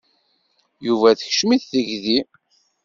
Yuba tekcem-it tegdi.